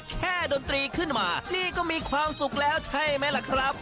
ดนตรีขึ้นมานี่ก็มีความสุขแล้วใช่ไหมล่ะครับ